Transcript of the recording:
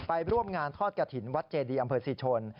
ไปร่วมงานทอดกะถิ่นวัดเจดีย์อำเภอสิทธิ์ชน